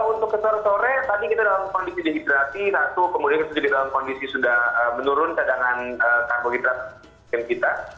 kalau untuk ke sore sore tadi kita dalam kondisi dehidrati rasu kemudian kita jadi dalam kondisi sudah menurun cadangan karbohidrat